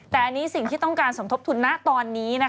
แต่อันนี้สิ่งที่ต้องการสมทบทุนนะตอนนี้